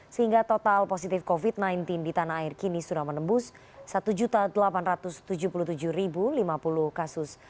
sehingga total positif covid sembilan belas di tanah air kini sudah menembus satu delapan ratus tujuh puluh tujuh lima puluh kasus